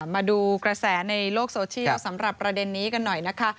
มาดูกระแสในโลกโซเชียลสำหรับประเด็นนี้กันหน่อยนะคะ